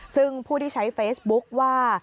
ซึ่งผู้ที่ใช้เฟซบุ๊คว่า